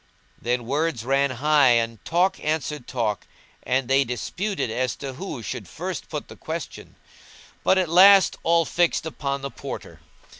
Then words ran high and talk answered talk, and they disputed as to who should first put the question, but at last all fixed upon the Porter.